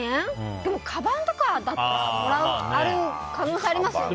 でもかばんとかだったらもらう可能性はありますよね。